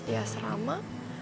nanti juga pasti asrama